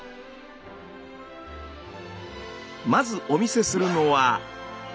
まずお見せするのは。